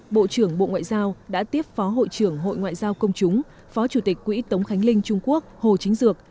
bộ trưởng bộ ngoại giao đã tiếp phó hội trưởng hội ngoại giao công chúng phó chủ tịch quỹ tống khánh linh trung quốc hồ chính dược